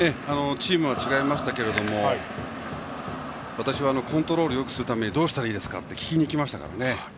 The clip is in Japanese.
チームは違いましたけども私はコントロールをよくするためにはどうしたらいいですかと聞きにいきましたからね。